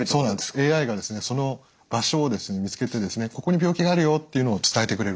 ＡＩがその場所を見つけてここに病気があるよっていうのを伝えてくれるんですね。